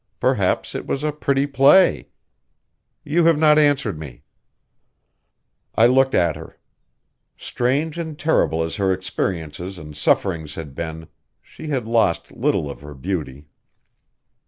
Perhaps it was a pretty play. You have not answered me." I looked at her. Strange and terrible as her experiences and sufferings had been, she had lost little of her beauty.